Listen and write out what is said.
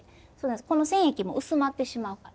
この染液も薄まってしまうからね。